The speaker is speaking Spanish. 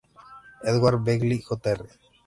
Edward Begley Jr.